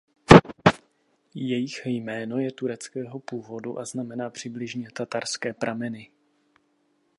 Jejich jméno je tureckého původu a znamená přibližně "tatarské prameny".